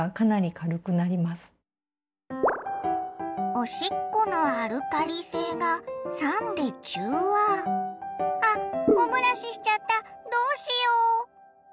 おしっこのアルカリせいがさんでちゅうわ⁉あおもらししちゃったどうしよう？